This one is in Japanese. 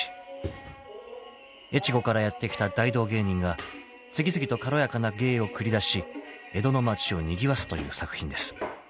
［越後からやって来た大道芸人が次々と軽やかな芸を繰り出し江戸の町をにぎわすという作品です］